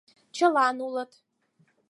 — Чылан улыт!